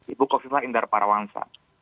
ibu kofifah indar parawansa